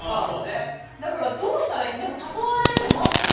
だからどうしたら。